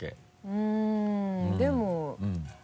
うんでも。